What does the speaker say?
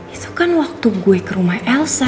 itu kan waktu gue ke rumah elsa